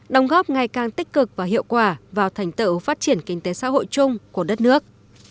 đồng góp ngày càng tích cực và hiệu quả vào thành tựu phát triển kinh tế xã hội chung của đất nước